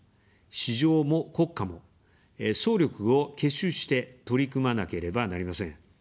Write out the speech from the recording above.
「市場も国家も」、総力を結集して取り組まなければなりません。